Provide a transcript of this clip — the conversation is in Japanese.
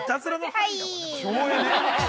◆省エネ。